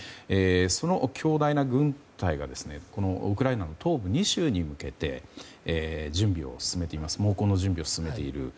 その強大な軍隊がウクライナの東部２州に向けて猛攻の準備を進めている。